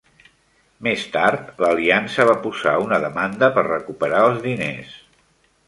Més tard, l'Aliança va posar una demanda per recuperar els diners.